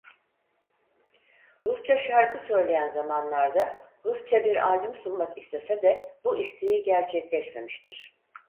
Rusça şarkı söyleyen zamanlarda Rusça bir albüm sunmak istese de bu isteği gerçekleşmemiştir.